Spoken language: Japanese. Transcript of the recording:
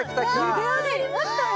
ゆで上がりましたよ。